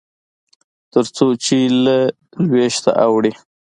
تر څو چې له لوېشته اوړي.